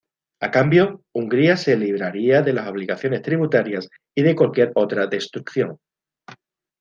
A cambio, Hungría se libraría de las obligaciones tributarias y de cualquier otra destrucción.